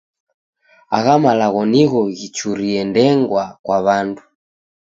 Agha malagho nigho ghichurie ndengwa kwa w'andu.